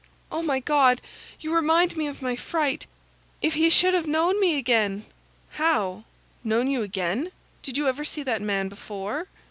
"Oh, my God! You remind me of my fright! If he should have known me again!" "How? know you again? Did you ever see that man before?"